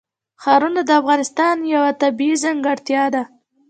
ښارونه د افغانستان یوه طبیعي ځانګړتیا ده.